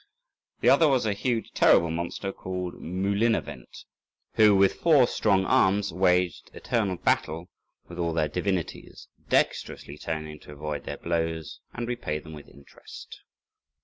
The other was a huge terrible monster called Moulinavent, who with four strong arms waged eternal battle with all their divinities, dexterously turning to avoid their blows and repay them with interest.